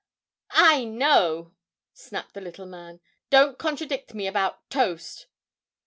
"I know!" snapped the little man. "Don't contradict me about toast!